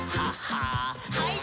はい。